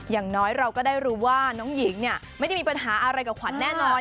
อย่างน้อยเราก็ได้รู้ว่าน้องหญิงเนี่ยไม่ได้มีปัญหาอะไรกับขวัญแน่นอน